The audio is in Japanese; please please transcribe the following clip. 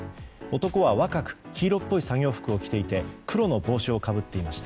男は若く黄色っぽい作業服を着て黒の帽子をかぶっていました。